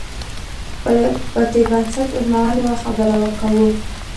پر دې بنسټ اوسمهال یوه خبره کوو.